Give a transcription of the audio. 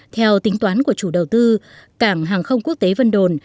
theo tính toán của chủ đầu tư cảng hàng không quốc tế vân đồn